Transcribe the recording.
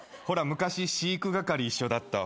昔飼育係一緒だった。